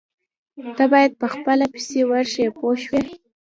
تۀ باید په خپله پسې ورشې پوه شوې!.